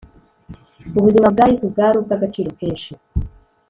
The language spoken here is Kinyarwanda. Ubuzima bwa Yesu bwari ubw agaciro kenshi.